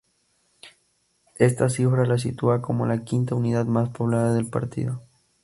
Esta cifra la sitúa como la quinta unidad más poblada del partido.